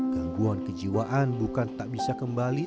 gangguan kejiwaan bukan tak bisa kembali